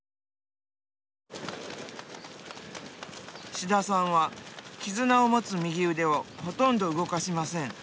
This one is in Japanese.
志田さんは「絆」を持つ右腕をほとんど動かしません。